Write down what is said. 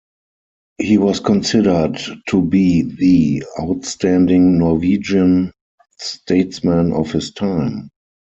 He was considered to be the outstanding Norwegian statesman of his time.